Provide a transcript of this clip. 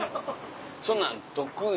そんなん得意。